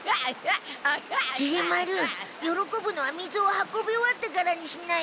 きり丸よろこぶのは水を運び終わってからにしなよ。